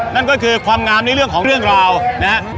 นั่นก็คือความงามในเรื่องของเรื่องราวนะฮะ